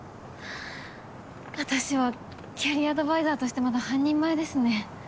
私はキャリアアドバイザーとしてまだ半人前ですね。